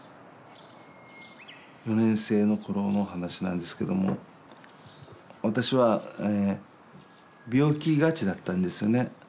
４年生の頃の話なんですけども私は病気がちだったんですよね。